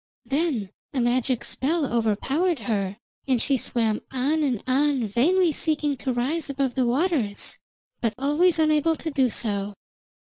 Then a magic spell overpowered her, and she swam on and on vainly seeking to rise above the waters, but always unable to do so.